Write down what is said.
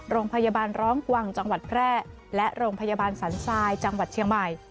โรงพยาบาลร้องกวางจังหวัดแพร่และโรงพยาบาลสันทรายจังหวัดเชียงใหม่